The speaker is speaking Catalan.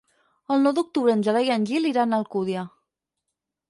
El nou d'octubre en Gerai i en Gil iran a Alcúdia.